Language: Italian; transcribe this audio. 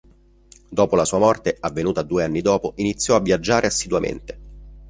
Dopo la sua morte, avvenuta due anni dopo, iniziò a viaggiare assiduamente.